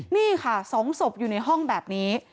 นี่ค่ะ๒ศพอยู่ในห้องแบบนี้